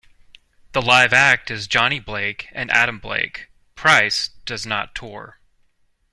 The live act is Johnny Blake and Adam Blake, Price does not tour.